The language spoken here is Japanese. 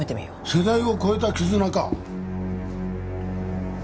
世代を超えた絆か。